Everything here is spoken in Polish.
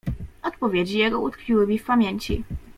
"Odpowiedzi jego utkwiły mi w pamięci."